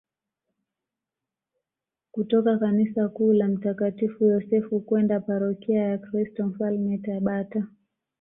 kutoka kanisa kuu la mtakatifu Yosefu kwenda parokia ya Kristo Mfalme Tabata